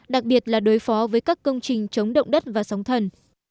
đặc biệt là đối phó với các công trình chống động đất và sóng thần